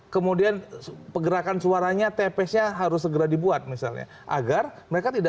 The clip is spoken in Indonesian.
karena ktp nggak ada